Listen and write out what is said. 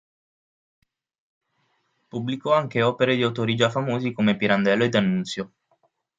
Pubblicò anche opere di autori già famosi come Pirandello e D'Annunzio.